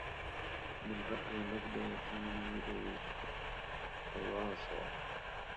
من رأى المجد يثير القلاصا